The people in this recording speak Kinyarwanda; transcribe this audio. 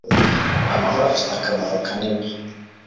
Amahoro afite akamaro kanini